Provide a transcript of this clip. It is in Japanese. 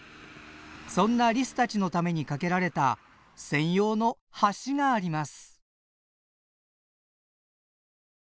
そんなリスたちのために架けられた専用の橋があります。